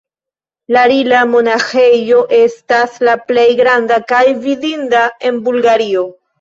La Rila-monaĥejo estas la plej granda kaj vidinda en Bulgario.